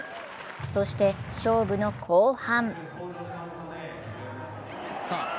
そして勝負の後半。